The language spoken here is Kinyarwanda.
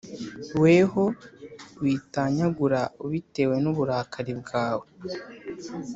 weho witanyagura ubitewe n’uburakari bwawe,